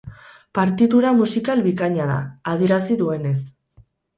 Partitura musikal bikaina da, adierazi duenez.